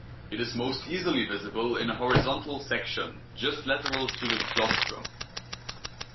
It is most easily visible in a horizontal section, just lateral to the claustrum.